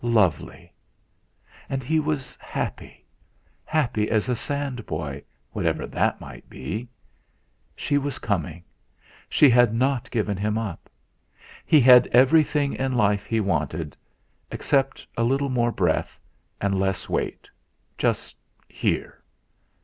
Lovely! And he was happy happy as a sand boy, whatever that might be. She was coming; she had not given him up! He had everything in life he wanted except a little more breath, and less weight just here!